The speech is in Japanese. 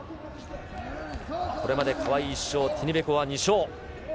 これまで川井１勝、ティニベコワ２勝。